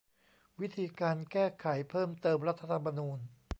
วิธีการแก้ไขเพิ่มเติมรัฐธรรมนูญ